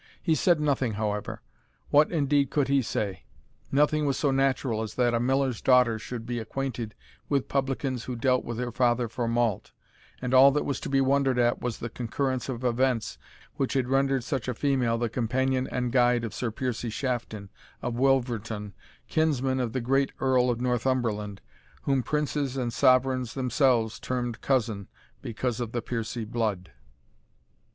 He said nothing, however. What indeed could he say? Nothing was so natural as that a miller's daughter should be acquainted with publicans who dealt with her father for malt, and all that was to be wondered at was the concurrence of events which had rendered such a female the companion and guide of Sir Piercie Shafton of Wilverton, kinsman of the great Earl of Northumberland, whom princes and sovereigns themselves termed cousin, because of the Piercie blood.